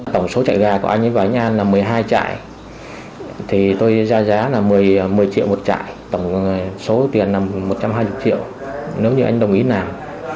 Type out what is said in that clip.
một mươi triệu một trại tổng số tiền là một trăm hai mươi triệu nếu như anh đồng ý làm